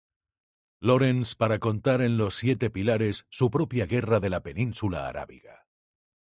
Lawrence para contar en "Los Siete Pilares" su propia guerra de la península arábiga.